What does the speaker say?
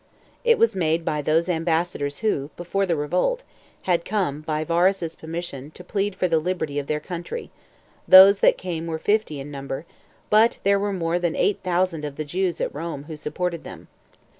It was made by those ambassadors who, before the revolt, had come, by Varus's permission, to plead for the liberty of their country; those that came were fifty in number, but there were more than eight thousand of the Jews at Rome who supported them.